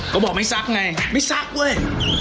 ก็บอกไม่ซักไงไม่ซักเว้ย